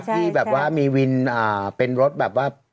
ที่แบบว่ามีวินเป็นรถแบบว่า